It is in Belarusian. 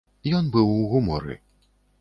Ён быў у гуморы.